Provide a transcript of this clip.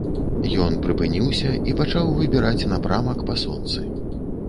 Ён прыпыніўся і пачаў выбіраць напрамак па сонцы.